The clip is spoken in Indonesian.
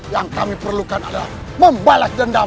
yang kami perlukan adalah membalas dendam